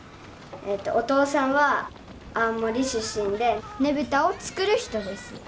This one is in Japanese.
お父さんは青森出身でねぶたを作る人です。